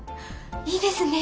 いいですね！